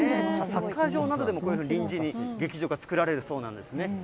サッカー場などでも臨時に劇場が作られるそうなんですね。